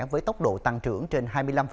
với tốc độ tăng trưởng trên hai mươi năm